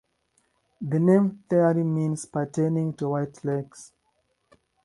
The name literally means "pertaining to white lakes".